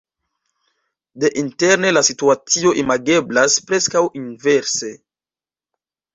Deinterne la situacio imageblas preskaŭ inverse.